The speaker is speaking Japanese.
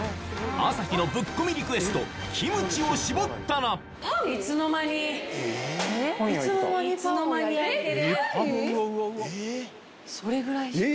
朝日のぶっ込みリクエストキムチをしぼったらいつの間にいつの間に焼いてる。